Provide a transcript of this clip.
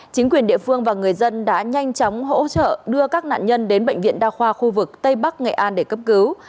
chính quyền địa phương và người dân đã nhanh chóng hỗ trợ đưa các nạn nhân đến bệnh viện đa khoa khu vực tây bắc nghệ an để cấp cứu